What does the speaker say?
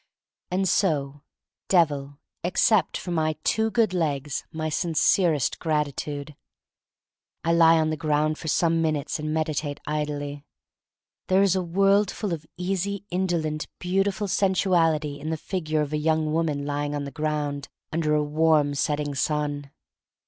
And so, Devil, accept, for my two good legs, my sincerest gratitude. I lie on the ground for some minutes and meditate idly. There is a worldful of easy indolent, beautiful sensuality in the figure of a young woman lying on the ground under a warm setting sun.